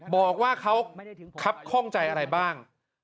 บอกว่าเขาครับข้องใจอะไรบ้าง